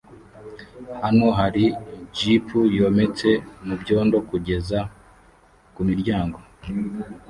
Hano hari jip yometse mubyondo kugeza kumiryango